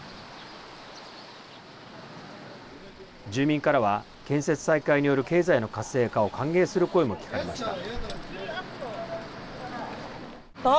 住民からは建設再開による経済の活性化を歓迎する声も聞かれました。